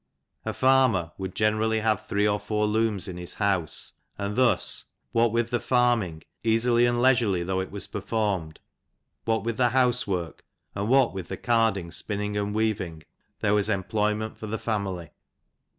A farmer would gener have three or four looms in his house, and thus, \ with the farming, easily and leisurely though it performed, what with the house work, and what ' the carding, spinning, and weaving, there was ar employment for the family.